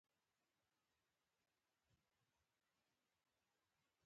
زما طلاق او زما پيسې راکه.